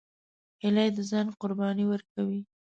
هیلۍ د ځان قرباني ورکوي